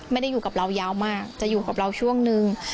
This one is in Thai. ไม่ได้อยู่กับเรายาวมากจะอยู่กับเราช่วงนึง